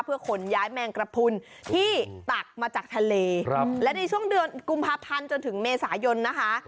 เพื่อขนย้ายแมงกระพุนที่ตักมาจากทะเลครับและในช่วงเดือนกุมภาพันธ์จนถึงเมษายนนะคะ